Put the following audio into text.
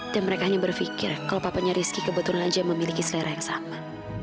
dan mereka hanya berpikir kalau papanya rizky kebetulan aja memiliki selera yang sama